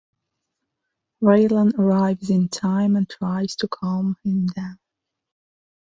Raylan arrives in time and tries to calm him down.